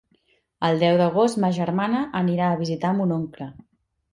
El deu d'agost ma germana anirà a visitar mon oncle.